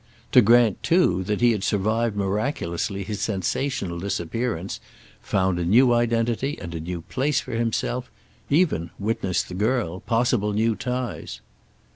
To grant, too, that he had survived miraculously his sensational disappearance, found a new identity and a new place for himself; even, witness the girl, possible new ties.